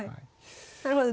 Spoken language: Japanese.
なるほど。